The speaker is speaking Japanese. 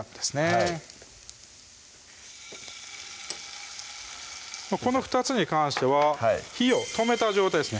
はいこの２つに関しては火を止めた状態ですね